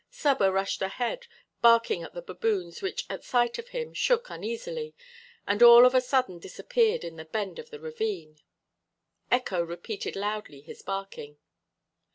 Saba rushed ahead, barking at the baboons which at sight of him shook uneasily, and all of a sudden disappeared in the bend of the ravine. Echo repeated loudly his barking.